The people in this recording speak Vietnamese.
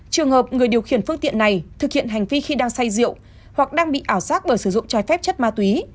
trường hợp người điều khiển phương tiện này thực hiện hành vi khi đang say rượu hoặc đang bị ảo giác bởi sử dụng trái phép chất ma túy